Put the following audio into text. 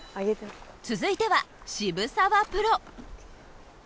続いては澁澤プロ。